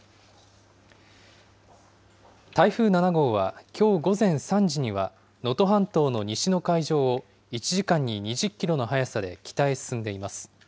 台風７号はきょう午前３時には、能登半島の西の海上を、１時間に２０キロの速さで北へ進んでいます。